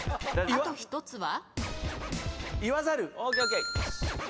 あと１つは？